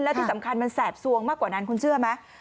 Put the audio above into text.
และที่สำคัญมันแสบสวงมากกว่านั้นคุณเชื่อไหม